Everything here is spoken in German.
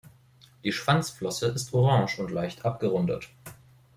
Die Schwanzflosse ist orange und leicht abgerundet.